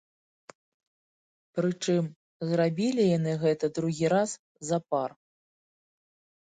Прычым, зрабілі яны гэта другі раз запар.